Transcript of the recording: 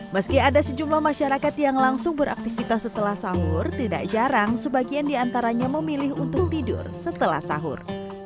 meski ada sejumlah masyarakat yang langsung beraktivitas setelah sahur tidak jarang sebagian diantaranya memilih untuk tidur setelah sahur